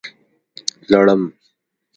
لړم